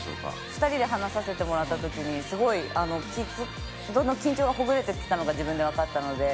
２人で話させてもらった時にすごいどんどん緊張がほぐれてきたのが自分でわかったので。